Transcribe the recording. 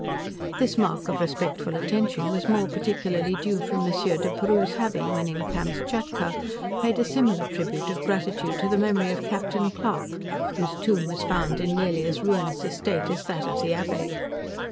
This mark of respectful attention was more particularly due, from M. De Perrouse having, when at Kamschatka, paid a similar tribute of gratitude to the memory of Captain Clarke, whose tomb was found in nearly as ruinous a state as that of the Abbe.